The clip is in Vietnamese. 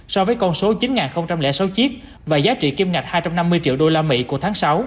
so với con số chín sáu chiếc và giá trị kim ngạch hai trăm năm mươi triệu đô la mỹ của tháng sáu